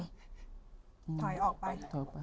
ต้องออกไป